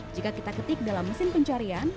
jika kita ketik dalam mesin pencarian